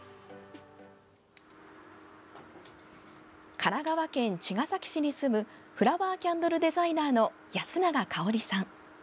神奈川県茅ヶ崎市に住むフラワーキャンドルデザイナーの安永かおりさん。